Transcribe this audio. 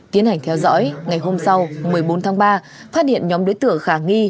tiến hành theo dõi ngày hôm sau một mươi bốn tháng ba phát hiện nhóm đối tượng khả nghi